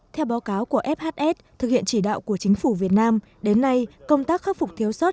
theo báo cáo của fhs thực hiện chỉ đạo của chính phủ việt nam đến nay công tác khắc phục thiếu sót